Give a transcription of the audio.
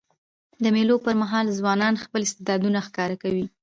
د مېلو پر مهال ځوانان خپل استعدادونه ښکاره کوي.